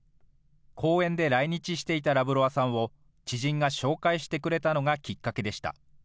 公演で来日していたラブロワさんを、知人が紹介してくれたのがきっかけでした。